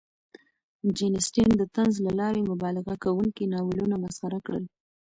جین اسټن د طنز له لارې مبالغه کوونکي ناولونه مسخره کړل.